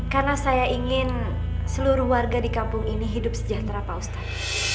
karena saya ingin seluruh warga di kampung ini hidup sejahtera pak ustadz